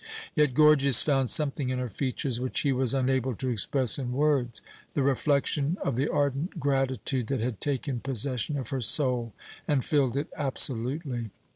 Yet Gorgias found something in her features which he was unable to express in words the reflection of the ardent gratitude that had taken possession of her soul and filled it absolutely.